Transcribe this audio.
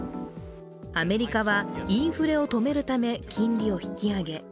アメリカはインフレを止めるため金利を引き上げ。